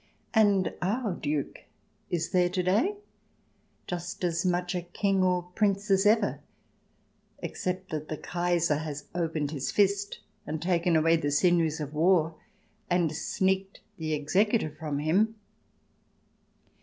And our Duke is there to day, just as much a King or Prince as ever, except that the Kaiser has opened his fist and taken away the sinews of war and •' sneaked " the executive from him.